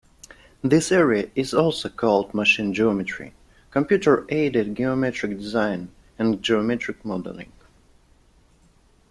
This area is also called "machine geometry", computer-aided geometric design, and geometric modelling.